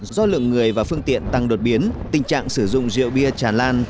do lượng người và phương tiện tăng đột biến tình trạng sử dụng rượu bia tràn lan